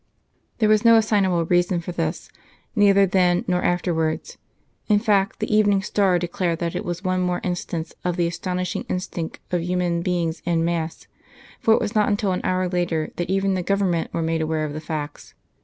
There was no assignable reason for this, neither then nor afterwards; in fact, the Evening Star declared that it was one more instance of the astonishing instinct of human beings en masse; for it was not until an hour later that even the Government were made aware of the facts.